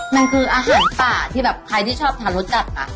มันคืออาหารป่าที่แบบใครที่ชอบทานรสจัดนะ